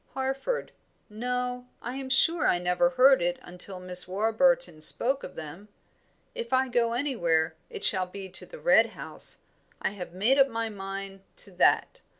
Harford no, I am sure I never heard it until Miss Warburton spoke of them. If I go anywhere it shall be to the Red House I have made up my mind to that.